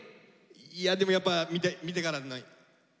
いやでもやっぱ見てからのお楽しみで。